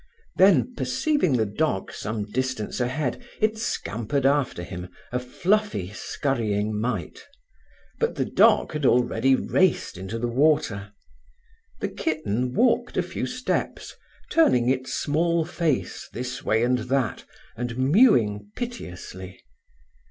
Then, perceiving the dog some distance ahead, it scampered after him, a fluffy, scurrying mite. But the dog had already raced into the water. The kitten walked a few steps, turning its small face this way and that, and mewing piteously.